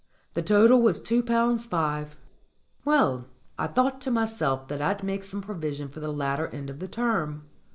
The total was two pounds five. Well, I thought to myself that I'd make some provision for the latter end of the term.